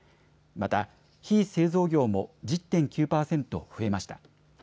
また、非製造業も１０．９％増えました。